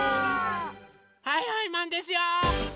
はいはいマンですよ！